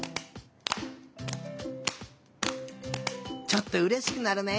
ちょっとうれしくなるね。